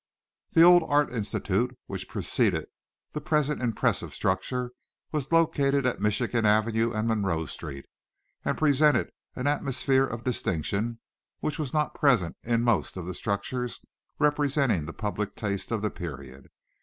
The old Art Institute, which preceded the present impressive structure, was located at Michigan Avenue and Monroe Street, and presented an atmosphere of distinction which was not present in most of the structures representing the public taste of the period.